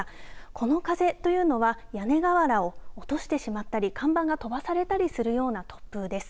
この風というのは屋根瓦を落としてしまったり看板が飛ばされたりするような突風です。